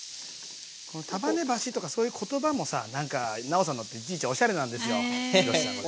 この束ねばしとかそういう言葉もさなんか尚さんのっていちいちおしゃれなんですよ廣瀬さん。